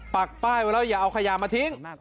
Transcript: ปักป้ายไว้แล้วอย่าเอาขยะมาทิ้ง